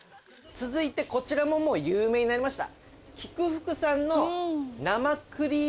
続いてこちらも有名になりました。